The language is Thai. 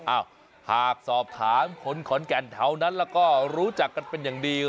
อ้าวหากสอบถามคนขอนแก่นแถวนั้นแล้วก็รู้จักกันเป็นอย่างดี